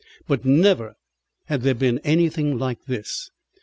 But never had there been anything like this.